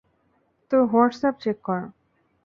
তোর WhatsApp check কর।